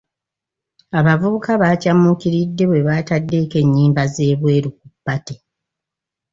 Abavubuka baakyamuukiridde bwe baataddeeko ennyimba z'ebweru ku party.